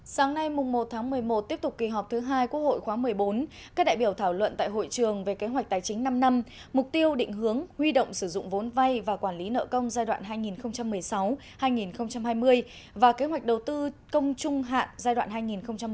sáng nay một tháng một mươi một tiếp tục kỳ họp thứ hai quốc hội khóa một mươi bốn các đại biểu thảo luận tại hội trường về kế hoạch tài chính năm năm mục tiêu định hướng huy động sử dụng vốn vay và quản lý nợ công giai đoạn hai nghìn một mươi sáu hai nghìn hai mươi và kế hoạch đầu tư công trung hạn giai đoạn hai nghìn hai mươi một hai nghìn hai mươi